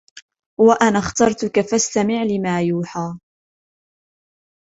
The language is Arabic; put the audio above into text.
وأنا اخترتك فاستمع لما يوحى